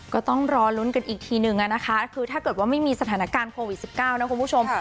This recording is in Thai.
ก็ต้องรอลุ้นกันอีกทีนึงนะคะคือถ้าเกิดว่าไม่มีสถานการณ์โควิด๑๙นะคุณผู้ชม